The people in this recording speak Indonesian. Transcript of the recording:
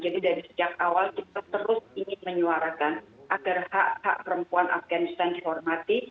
jadi dari sejak awal kita terus ingin menyuarakan agar hak hak perempuan afganistan dihormati